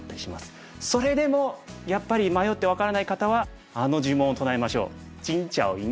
それでもやっぱり迷って分からない方はあの呪文を唱えましょう。